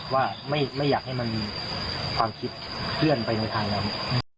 ว่าไม่อยากให้มันความคิดเคลื่อนไปในทางนั้น